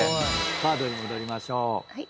カードに戻りましょう。